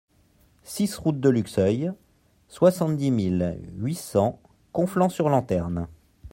six route de Luxeuil, soixante-dix mille huit cents Conflans-sur-Lanterne